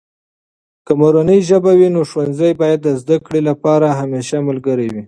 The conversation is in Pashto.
که مورنۍ ژبه وي، نو ښوونځي باید د زده کړې لپاره همیشه ملګری وي.